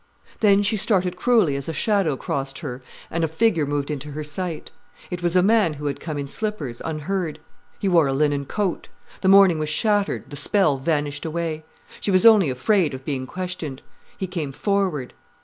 Then she started cruelly as a shadow crossed her and a figure moved into her sight. It was a man who had come in slippers, unheard. He wore a linen coat. The morning was shattered, the spell vanished away. She was only afraid of being questioned. He came forward.